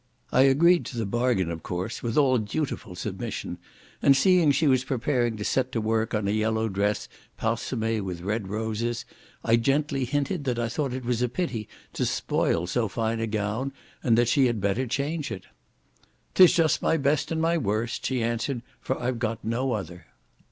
I agreed to the bargain, of course, with all dutiful submission; and seeing she was preparing to set to work in a yellow dress parseme with red roses, I gently hinted, that I thought it was a pity to spoil so fine a gown, and that she had better change it. "'Tis just my best and my worst," she answered, "for I've got no other."